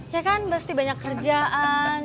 ya kan mesti banyak kerjaan